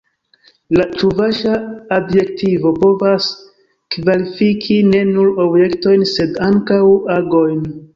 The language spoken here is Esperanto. La ĉuvaŝa adjektivo povas kvalifiki ne nur objektojn sed ankaŭ agojn.